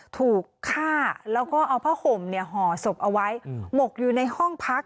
ถูกฆ่าแล้วก็เอาผ้าห่มห่อศพเอาไว้หมกอยู่ในห้องพัก